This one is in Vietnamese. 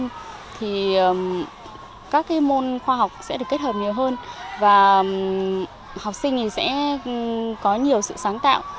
đối với nệ phương pháp stem thì các môn khoa học sẽ được kết hợp nhiều hơn và học sinh sẽ có nhiều sự sáng tạo